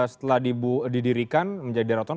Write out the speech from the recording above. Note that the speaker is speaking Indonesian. setelah didirikan menjadi daerah otonom